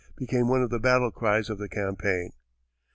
became one of the battle cries of the campaign.